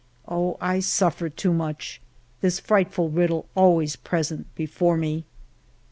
Oh, I suffer too much ! This frightful riddle always present before me